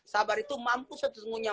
sabar itu mampus satu semuanya